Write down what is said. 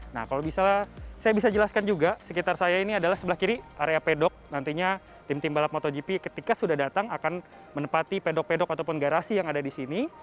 nah kalau bisa saya bisa jelaskan juga sekitar saya ini adalah sebelah kiri area pedok nantinya tim tim balap motogp ketika sudah datang akan menepati pedok pedok ataupun garasi yang ada di sini